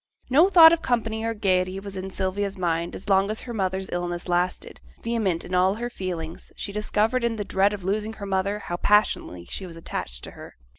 No thought of company or gaiety was in Sylvia's mind as long as her mother's illness lasted; vehement in all her feelings, she discovered in the dread of losing her mother how passionately she was attached to her.